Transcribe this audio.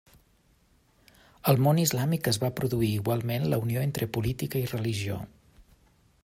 Al món islàmic es va produir igualment la unió entre política i religió.